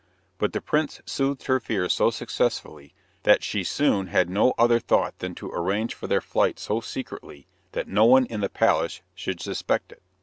But the prince soothed her fears so successfully, that she soon had no other thought than to arrange for their flight so secretly, that no one in the palace should suspect it.